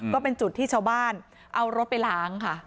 ก็เป็นจุดที่ชาวบ้านเอารถไปล้างค่ะ